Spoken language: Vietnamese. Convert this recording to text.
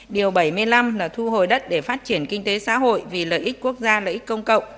điều bảy mươi năm là thu hồi đất để phát triển kinh tế xã hội vì lợi ích quốc gia lợi ích công cộng